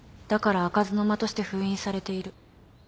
だから開かずの間として封印されている。